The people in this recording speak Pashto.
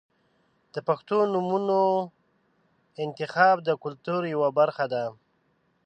• د پښتو نومونو انتخاب د کلتور یوه برخه ده.